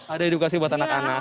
ada edukasi buat anak anak